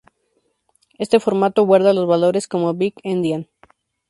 Este formato guarda los valores como big-endian.